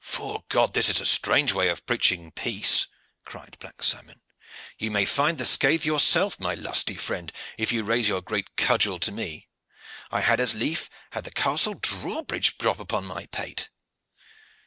"'Fore God, this is a strange way of preaching peace," cried Black Simon. "You may find the scath yourself, my lusty friend, if you raise your great cudgel to me. I had as lief have the castle drawbridge drop upon my pate."